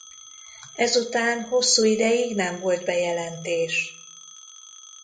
Ezután hosszú ideig nem volt bejelentés.